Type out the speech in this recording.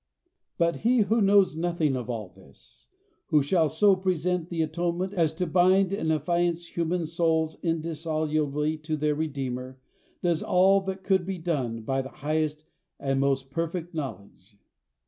But he who knows nothing of all this, who shall so present the atonement as to bind and affiance human souls indissolubly to their Redeemer, does all that could be done by the highest and most perfect knowledge.